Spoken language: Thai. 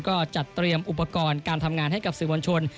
ก็จัดเตรียมอุปกรณ์การทำงานให้กับสื่อมวลชน